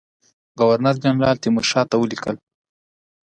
ګورنر جنرال تیمورشاه ته ولیکل.